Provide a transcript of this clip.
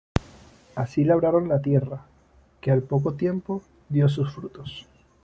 Así labraron la tierra, que al poco tiempo dio sus frutos.